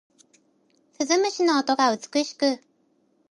鈴虫の音が美しく